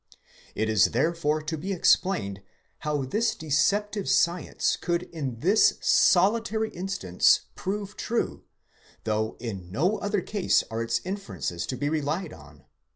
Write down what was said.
It is therefore to be explained, how this deceptive science could in this solitary instance prove true, though in no other case are its inferences to be relied on.